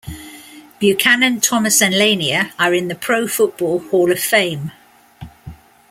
Buchanan, Thomas and Lanier are in the Pro Football Hall of Fame.